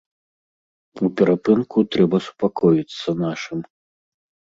У перапынку трэба супакоіцца нашым.